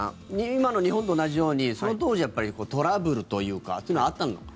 今の日本と同じようにその当時、トラブルというかそういうのはあったのか。